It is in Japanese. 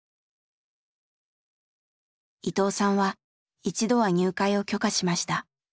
伊藤さんは一度は入会を許可しました。